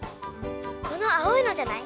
このあおいのじゃない？